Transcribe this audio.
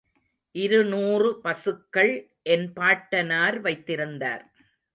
இரு நூறு பசுக்கள் என் பாட்டனார் வைத்திருந்தார்.